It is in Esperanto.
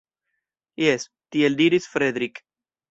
Jes, tiel diris Fredrik!